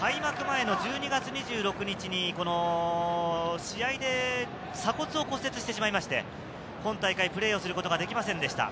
開幕前の１２月２６日に試合で鎖骨を骨折してしまいまして、今大会プレーをすることができませんでした。